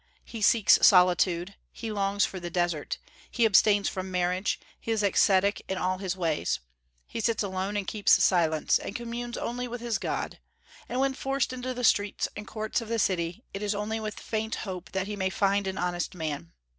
He seeks solitude; he longs for the desert; he abstains from marriage, he is ascetic in all his ways; he sits alone and keeps silence, and communes only with his God; and when forced into the streets and courts of the city, it is only with the faint hope that he may find an honest man.